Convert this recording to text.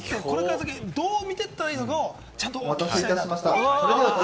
これから先、どう見ていったらいいのかを、ちゃんとお聞きしたいと思います。